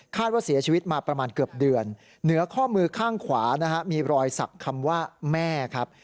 ข้อมือข้างขวานะฮะมีรอยศักดิ์คำว่าแม่ครับ